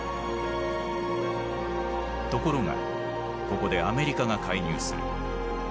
ところがここでアメリカが介入する。